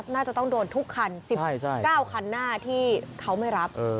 น่าจะต้องโดนทุกคัน๑๙คันหน้าที่เขาไม่รับ